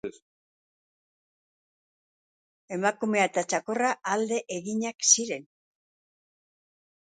Emakumea eta txakurra alde eginak ziren.